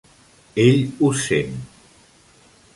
Ell us sent.